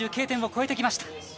Ｋ点を越えてきました。